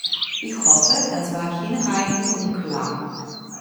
Ich hoffe, das war hinreichend unklar!